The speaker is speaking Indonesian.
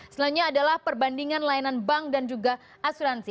selanjutnya adalah perbandingan layanan bank dan juga asuransi